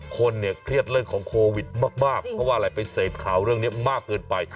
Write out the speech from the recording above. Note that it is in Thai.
คนเนี่ยเครียดเรื่องของโควิดมากเพราะว่าอะไรไปเสพข่าวเรื่องนี้มากเกินไป